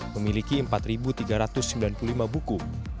memiliki empat tiga ratus sembilan puluh lima buku